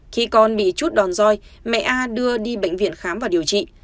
khi con bị chút đòn roi mẹ a đưa đi bệnh viện khám và điều trị